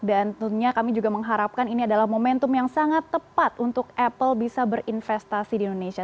dan tentunya kami juga mengharapkan ini adalah momentum yang sangat tepat untuk apple bisa berinvestasi di indonesia